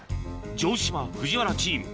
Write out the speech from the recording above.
城島・藤原チーム